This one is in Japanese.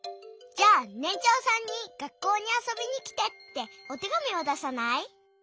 じゃあねんちょうさんに「学校にあそびにきて」っておてがみをださない？